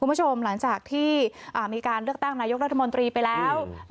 คุณผู้ชมหลังจากที่มีการเลือกตั้งนายกรัฐมนตรีไปแล้ว